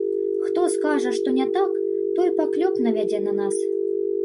Хто скажа, што не так, той паклёп навядзе на нас.